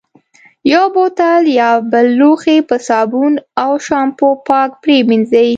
یو بوتل یا بل لوښی په صابون او شامپو پاک پرېمنځي.